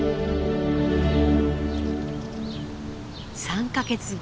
３か月後。